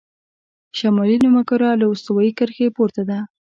شمالي نیمهکره له استوایي کرښې پورته ده.